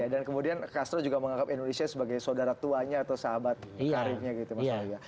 dan kemudian castro juga menganggap indonesia sebagai saudara tuanya atau sahabat karibnya